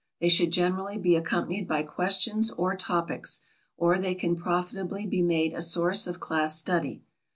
They should generally be accompanied by questions or topics; or they can profitably be made a source of class study.